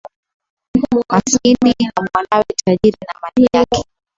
Masikini na mwanawe tajiri na mali yake